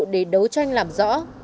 để đấu tranh làm rõ